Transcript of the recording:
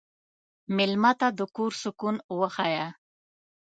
مېلمه ته د کور سکون وښیه.